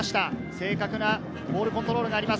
正確なボールコントロールがあります。